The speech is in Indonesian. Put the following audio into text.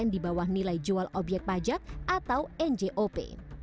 di bawah nilai jual obyek pajak atau njop